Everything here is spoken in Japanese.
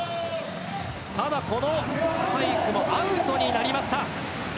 このスパイクもアウトになりました。